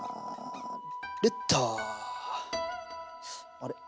あれ？